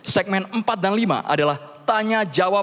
segmen empat dan lima adalah tanya jawab